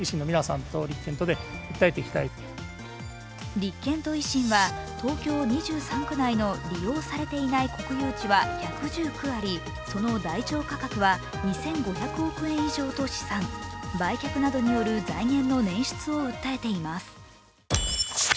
立憲と維新は東京２３区内の利用されていない国有地は１１９ありその台帳価格は２５００億円以上と試算、売却などによる財源の捻出を訴えています。